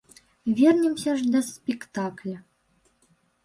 Вернемся жа да спектакля.